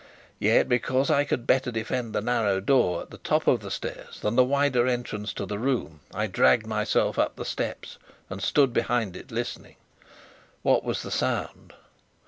Yet, because I could better defend the narrow door at the top of the stairs than the wider entrance to the room, I dragged myself up the steps, and stood behind it listening. What was the sound?